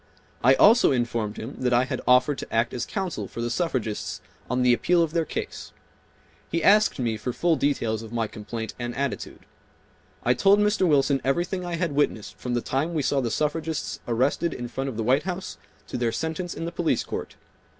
I also informed him that I had offered to act as counsel for the suffragists on the appeal of their case. He asked me for full details of my complaint and attitude. I told Mr. Wilson everything I had witnessed from the time we saw the suffragists arrested in front of the White House to their sentence in the police court.